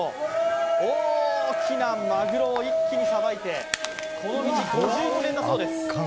大きなまぐろを一気にさばいてこの道５５年だそうです。